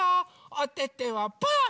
おててはパー！